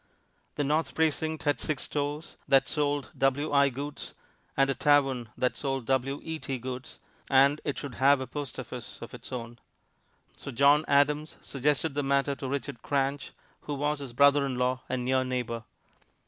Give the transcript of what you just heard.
The North Precinct had six stores that sold W.I. goods, and a tavern that sold W.E.T. goods, and it should have a post office of its own. So John Adams suggested the matter to Richard Cranch, who was his brother in law and near neighbor.